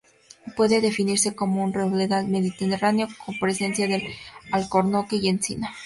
Puede definirse como un robledal mediterráneo, co presencia del alcornoque y la encina.